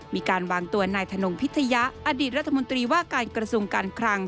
อย่างตัวในทนงพิธยาอดีตรัฐมนตรีว่าการกระทรูการคลัง